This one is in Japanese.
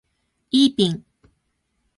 イーピン